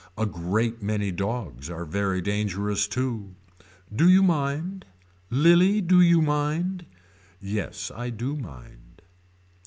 A great many dogs are very dangerous too. Do you mind. Lilie do you mind. Yes I do mind.